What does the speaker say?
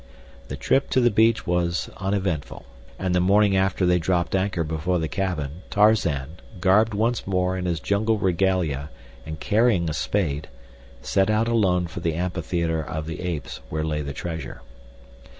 The trip to the beach was uneventful, and the morning after they dropped anchor before the cabin, Tarzan, garbed once more in his jungle regalia and carrying a spade, set out alone for the amphitheater of the apes where lay the treasure.